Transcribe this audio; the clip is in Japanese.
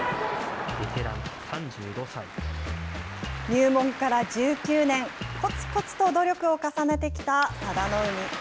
入門から１９年、こつこつと努力を重ねてきた佐田の海。